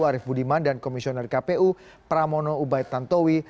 arief budiman dan komisioner kpu pramono ubaid tantowi